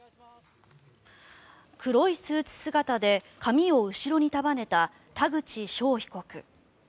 黒いスーツ姿で髪を後ろに束ねた田口翔被告。